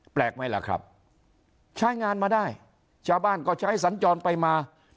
แปลกไหมล่ะครับใช้งานมาได้ชาวบ้านก็ใช้สัญจรไปมา